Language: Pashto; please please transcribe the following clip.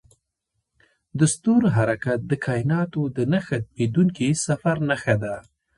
د ستورو حرکت د کایناتو د نه ختمیدونکي سفر نښه ده.